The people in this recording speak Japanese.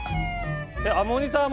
モニターも？